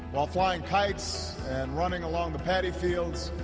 dengan menangkut kain dan berlari di paddy fields